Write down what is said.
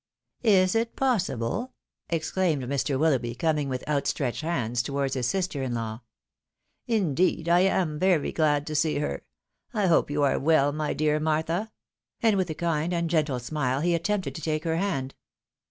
"Is it possible!" exclaimed Mr. WiUoughby, coming with outstretched hands towards his sister in law. "Indeed I am very glad to see her. I hope you are well, my dear Martha ?" and with a kind and gentle smile he attempted to take her hand.